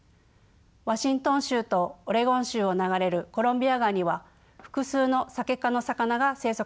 ワシントン州とオレゴン州を流れるコロンビア川には複数のサケ科の魚が生息しています。